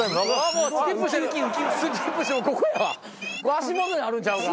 足元にあるんちゃうか？